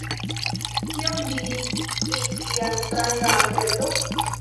Kion diri pri tia stranga aserto?